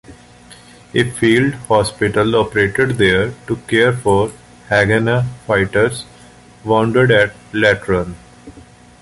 A field hospital operated there to care for Haganah fighters wounded at Latrun.